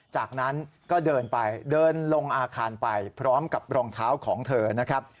จากนั้นก็เดินไปเดินลงอาคารไปพร้อมกับรองเท้าของเธอนะครับ